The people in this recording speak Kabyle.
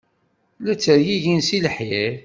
La ttergigin seg lḥir.